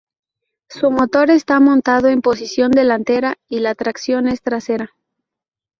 Su motor está montado en posición delantera y la tracción es trasera.